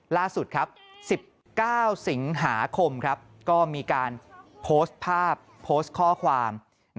ล่าสุดครับ๑๙สิงหาคมก็มีการโพสต์ภาพโพสต์ข้อความ